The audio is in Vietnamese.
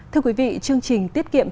thưa quý vị chương trình tiết kiệm thực tế